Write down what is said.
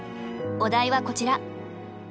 お題はこちら。